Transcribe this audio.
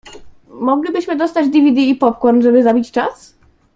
Moglibyśmy dostać di wi di, popcorn, żeby zabić czas?